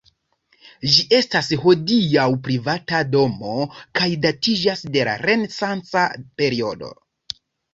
Ĝi estas hodiaŭ privata domo kaj datiĝas de la renesanca periodo.